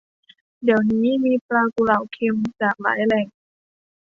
เดี๋ยวนี้มีปลากุเลาเค็มจากหลายแหล่ง